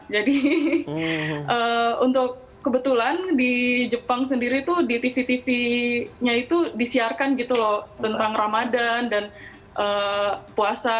jadi untuk kebetulan di jepang sendiri tuh di tv tv nya itu disiarkan gitu loh tentang ramadhan dan puasa